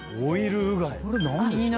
これ何ですか？